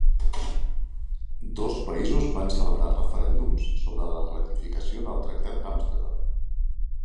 Dos països van celebrar referèndums sobre la ratificació del tractat d'Amsterdam.